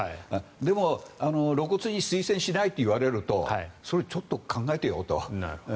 でも、露骨に推薦しないと言われるとそれはちょっと考えてよと。